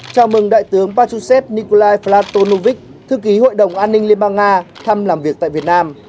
chào mừng đại tướng bà chú sép nikolai platonovic thư ký hội đồng an ninh liên bang nga thăm làm việc tại việt nam